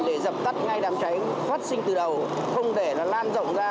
để dập tắt ngay đám cháy phát sinh từ đầu không để nó lan rộng ra